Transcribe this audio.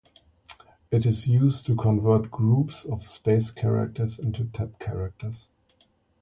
It is used to convert groups of space characters into tab characters.